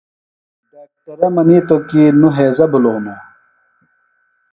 ڈاکٹرہ منِیتوۡ کی نوۡ ہیضہ بِھلو ہِنوۡ۔